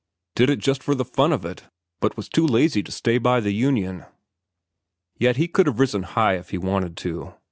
Did it just for the fun of it, but was too lazy to stay by the union. Yet he could have risen high if he wanted to.